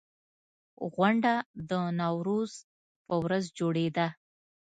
غونډه د نوروز په ورځ جوړېده.